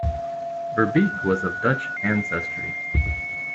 Verbeek was of Dutch ancestry.